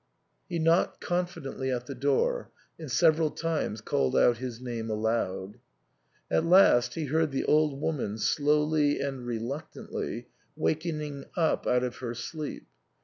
He knocked confidently at the door, and several times called out his name aloud. At last he heard the old woman slowly and reluctantly wakening up out of her sleep.